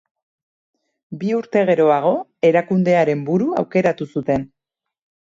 Bi urte geroago erakundearen buru aukeratu zuten.